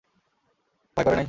ভয় করে নাই?